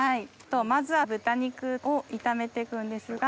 まずは豚肉を炒めて行くんですが。